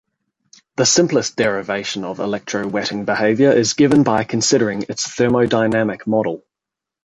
The simplest derivation of electrowetting behavior is given by considering its thermodynamic model.